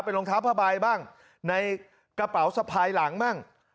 เป็นรองเท้าผ้าใบบ้างในกระเป๋าสะพายหลังบ้าง